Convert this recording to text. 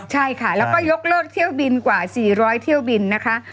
ใช่ค่ะแล้วก็ยกเลิกเที่ยวบินกว่า๔๐๐เที่ยวบินนะคะ